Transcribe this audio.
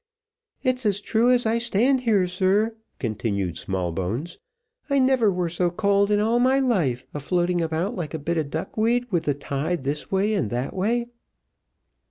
"It's as true as I stand here, sir," continued Smallbones; "I never were so cold in all my life, a floating about like a bit of duck weed with the tide, this way and that way."